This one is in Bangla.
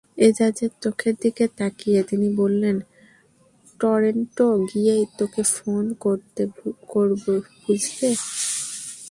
এজাজের চোখের দিকে তাকিয়ে তিনি বললেন, টরন্টো গিয়েই ওকে ফোন করবে বুঝলে।